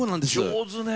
上手ね。